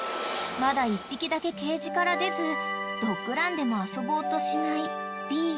［まだ１匹だけケージから出ずドッグランでも遊ぼうとしないＢｅ］